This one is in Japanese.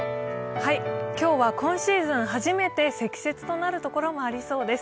今日は今シーズン初めて積雪となる所もありそうです。